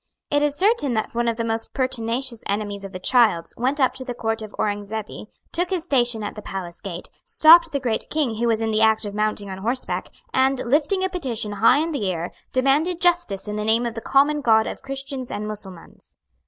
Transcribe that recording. It is certain that one of the most pertinacious enemies of the Childs went up to the Court of Aurengzebe, took his station at the palace gate, stopped the Great King who was in the act of mounting on horseback, and, lifting a petition high in the air, demanded justice in the name of the common God of Christians and Mussulmans.